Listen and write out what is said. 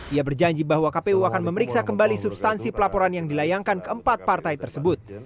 ia berjanji bahwa kpu akan memeriksa kembali substansi pelaporan yang dilayangkan keempat partai tersebut